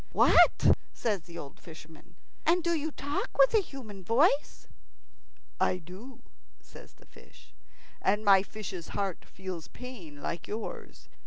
"What?" says the old fisherman; "and do you talk with a human voice?" "I do," says the fish. "And my fish's heart feels pain like yours.